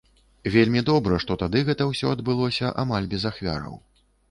Вельмі добра, што тады гэта ўсё адбылося амаль без ахвяраў.